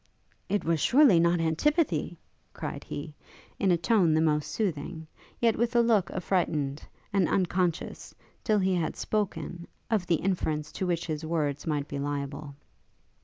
'It was surely not antipathy!' cried he, in a tone the most soothing; yet with a look affrighted, and unconscious, till he had spoken, of the inference to which his words might be liable.